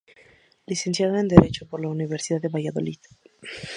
Licenciado en Derecho por la Universidad de Valladolid.